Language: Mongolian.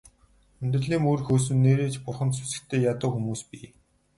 Амьдралын мөр хөөсөн нээрээ ч бурханд сүсэгтэй ядуу хүмүүс бий.